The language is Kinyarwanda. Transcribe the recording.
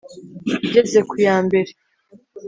Igeze kuyambere,